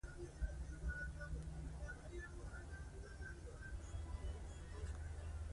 ستۍ هغه ښځي ته وايي چي د ژوند ترپایه واده ونه کي.